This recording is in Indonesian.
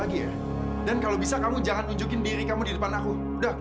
ini uang dua puluh lima juta yang bisa kamu kembalikan ke pak ferry